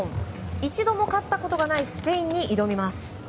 一度も勝ったことがないスペインに挑みます。